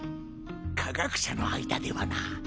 科学者の間ではな。